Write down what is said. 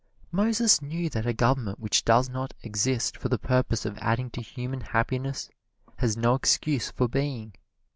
Moses knew that a government which does not exist for the purpose of adding to human happiness has no excuse for being.